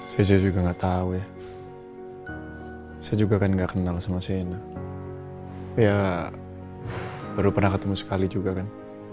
saya juga nggak tahu ya saya juga kan nggak kenal sama sina ya baru pernah ketemu sekali juga kan